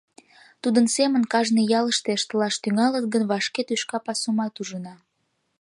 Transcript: Тудын семын кажне ялыште ыштылаш тӱҥалыт гын, вашке тӱшка пасумат ужына.